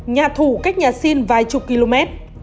nhà thủ cách nhà sinh vài chục km